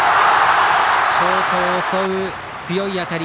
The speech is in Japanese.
ショートを襲う強い当たり。